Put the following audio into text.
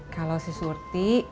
kalau si surti